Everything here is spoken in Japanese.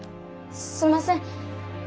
すんません。